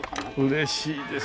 嬉しいです。